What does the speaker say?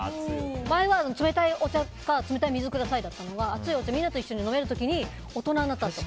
前は冷たいお茶か冷たい水だったのが熱いお茶、みんなと一緒に飲める時に大人になったと思って。